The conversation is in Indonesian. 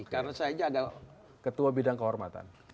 karena saya jaga ketua bidang kehormatan